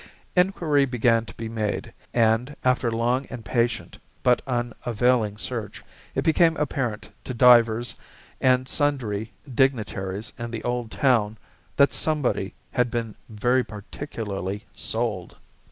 Inquiry began to be made, and, after long and patient but unavailing search, it became apparent to divers and sundry dignitaries in the old town that somebody had been very particularly "sold."